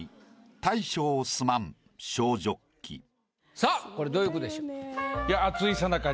さぁこれどういう句でしょう？